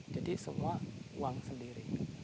jadi semua uang sendiri